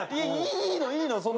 いいのいいの。